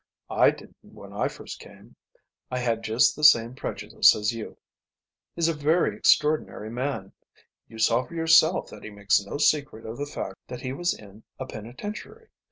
I didn't when I first came. I had just the same prejudice as you. He's a very extraordinary man. You saw for yourself that he makes no secret of the fact that he was in a penitentiary.